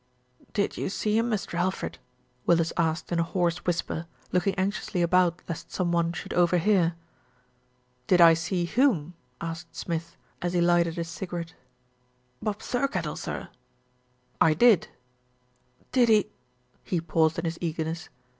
"Did you see him, Mr. Alfred?" Willis asked in a hoarse whisper, looking anxiously about lest some one should overhear. "Did I see whom?" asked Smith, as he lighted a cigarette. "Bob Thirkettle, sir." "I did." "Did he " He paused in his eagerness.